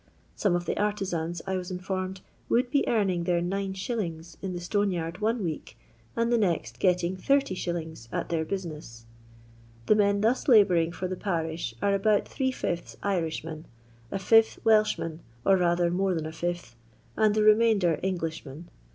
Some of the orUzans, I was informed, would be earning their 9s. in the stone yard one week, and the next getting 20s. at their business. The men thus labouring for the parish are about three fifths Irishmen, a fif^h Welchmen, or rather more than a fifth, and the remainder Englishmen.